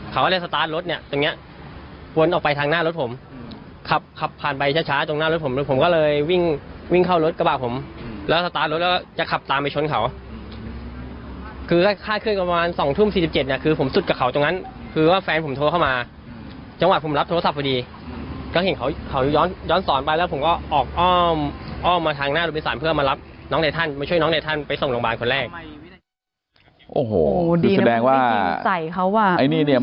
เขาเรียกว่าเรียกว่าเรียกว่าเรียกว่าเรียกว่าเรียกว่าเรียกว่าเรียกว่าเรียกว่าเรียกว่าเรียกว่าเรียกว่าเรียกว่าเรียกว่าเรียกว่าเรียกว่าเรียกว่าเรียกว่าเรียกว่าเรียกว่าเรียกว่าเรียกว่าเรียกว่าเรียกว่าเรียกว่าเรียกว่าเรียกว่าเรียกว่าเรียกว่าเรียกว่าเรียกว่าเรียก